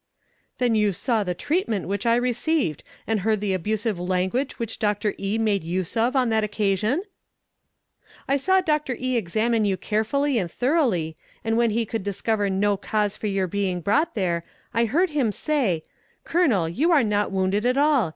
"Then you saw the treatment which I received, and heard the abusive language which Doctor E. made use of on that occasion?" "I saw Doctor E. examine you carefully and thoroughly, and when he could discover no cause for your being brought there, I heard him say 'Colonel, you are not wounded at all.